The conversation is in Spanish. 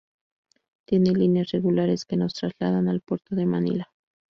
Tiene líneas regulares que nos trasladan al puerto de Manila.